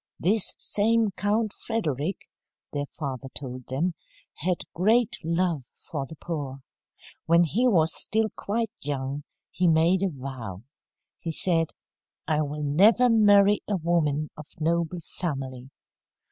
This same Count Frederick, their father told them, had great love for the poor. When he was still quite young, he made a vow. He said, "I will never marry a woman of noble family."